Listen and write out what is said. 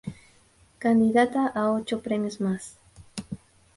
Candidata a ocho premios más.